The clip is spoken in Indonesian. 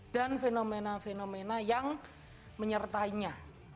dan fenomena fenomena yang menyertainya